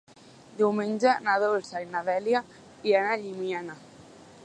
Diumenge na Dolça i na Dèlia iran a Llimiana.